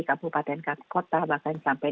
kabupaten kota bahkan sampai